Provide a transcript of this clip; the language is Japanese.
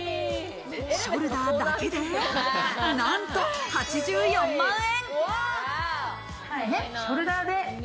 ショルダーだけでなんと８４万円。